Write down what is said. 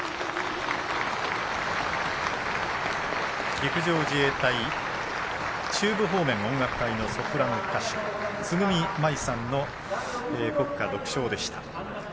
陸上自衛隊中部方面音楽隊のソプラノ歌手・鶫真衣さんの国歌独唱でした。